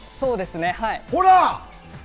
ほら！